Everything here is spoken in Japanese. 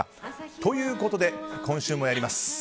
ということで、今週もやります。